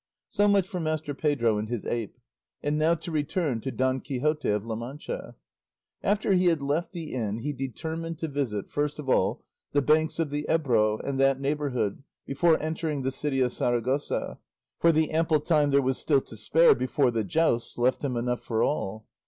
So much for Master Pedro and his ape; and now to return to Don Quixote of La Mancha. After he had left the inn he determined to visit, first of all, the banks of the Ebro and that neighbourhood, before entering the city of Saragossa, for the ample time there was still to spare before the jousts left him enough for all.